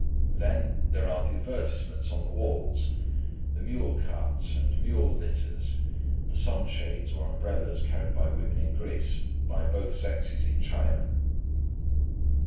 Then there are the advertisements on the walls; the mule carts and mule litters; the sunshades, or umbrellas, carried by women in Greece, by both sexes in China.